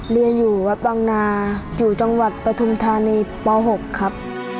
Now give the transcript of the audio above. เรียนอยู่วัดบังนาอยู่จังหวัดปฐุมธานีป๖ครับ